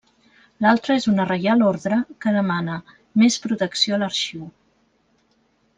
L'altra és una reial ordre que demana més protecció a l'arxiu.